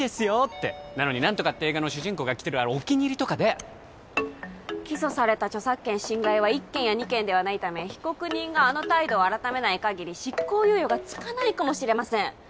ってなのに何とかって映画の主人公が着てるあれお気に入りとかでチッ起訴された著作権侵害は一件やニ件ではないため被告人があの態度を改めないかぎり執行猶予がつかないかもしれません